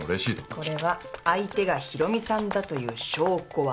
これは相手が博美さんだという証拠はない。